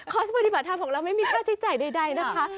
ปฏิบัติธรรมของเราไม่มีค่าใช้จ่ายใดนะคะ